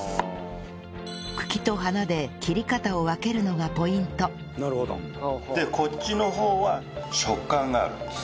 茎と花で切り方を分けるのがポイントでこっちの方は食感があるんです。